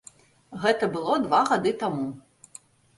Гэта было два гады таму.